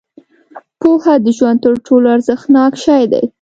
• پوهه د ژوند تر ټولو ارزښتناک شی دی.